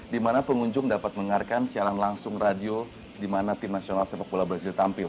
dimana pengunjung dapat menganggarkan siaran langsung radio dimana tim nasional sepak bola brazil tampil